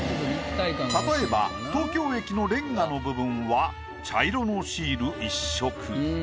例えば東京駅のレンガの部分は茶色のシール１色。